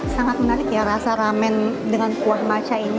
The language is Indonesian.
sangat menarik ya rasa ramen dengan kuah maca ini